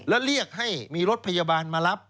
แล้วเรียกให้มีรถพยาบาลมารับ